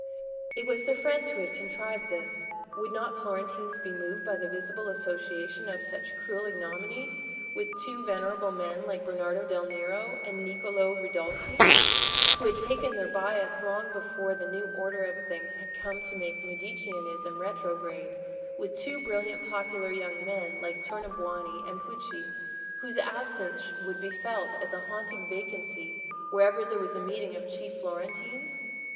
It was their friends who had contrived this: would not Florentines be moved by the visible association of such cruel ignominy with two venerable men like Bernardo del Nero and Niccolò Ridolfi, who had taken their bias long before the new order of things had come to make Mediceanism retrograde—with two brilliant popular young men like Tornabuoni and Pucci, whose absence would be felt as a haunting vacancy wherever there was a meeting of chief Florentines?